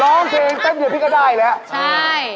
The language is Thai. ร้องเพลงเต้นเดียวพี่ก็ได้แล้วใช่